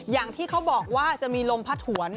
อย่างที่เขาบอกว่าจะมีลมพัดถวน